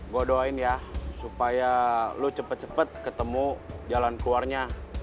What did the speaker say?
gue doain ya supaya lo cepat cepat ketemu jalan keluarnya